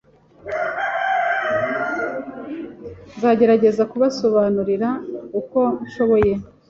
Nzagerageza kubasobanurira uko nshoboye